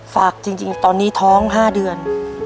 ฝากจริงตอนนี้ท้อง๕เดือน